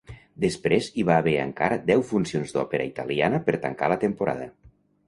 Després hi va haver encara deu funcions d'òpera italiana per tancar la temporada.